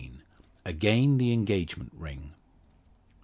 AGAIN THE ENGAGEMENT RING.